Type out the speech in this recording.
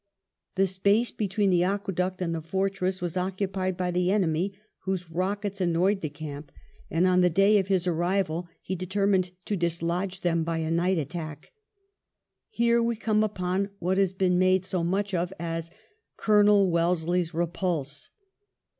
The space between the aque duct and the fortress was occupied by the enemy whose rockets annoyed the camp, and on the day of his arrival he determined to dislodge him by a night attack. Here we come upon what has been made so much of as " Colonel Wellesley's repulse."